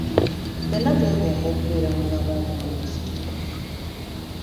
Ffenna twegomba okubeera mu bulamu obulungi.